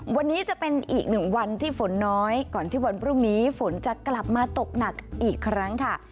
วันนี้จะเป็นอีกหนึ่งวันที่ฝนน้อยก่อนที่วันพรุ่งนี้ฝนจะกลับมาตกหนักอีกครั้งค่ะ